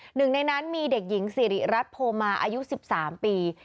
หนึ่งในนั้นมีเด็กหญิงสิริรัตนโพมาอายุ๑๓ปี